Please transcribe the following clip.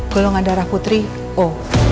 golongan darah putri o